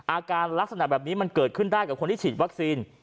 อาการลักษณะแบบนี้มันเกิดขึ้นได้กับคนที่ฉีดวัคซีน